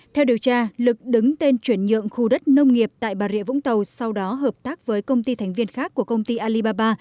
theo điều tra lực đứng tên chuyển nhượng khu đất nông nghiệp tại bà rịa vũng tàu sau đó hợp tác với công ty thành viên khác của công ty alibaba